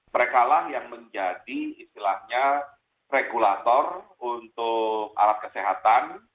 mereka lah yang menjadi istilahnya regulator untuk alat kesehatan